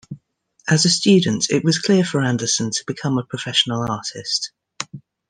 As a student, it was clear for Andersen to become a professional artist.